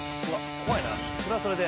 怖いなそれはそれで。